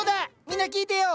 みんな聞いてよ！